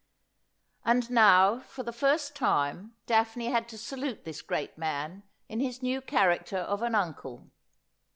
And now for the first time Daphne had to salute this great man in his new character of an uncle.